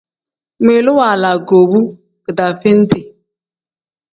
Ngmiilu waala igoobu kidaaveeniti.